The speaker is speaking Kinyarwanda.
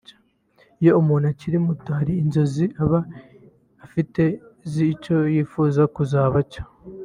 Iyo umuntu akiri muto hari inzozi aba afite z’icyo yifuza kuzaba cyo